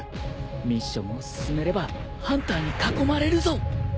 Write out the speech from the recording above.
ミッションを進めればハンターに囲まれるぞ。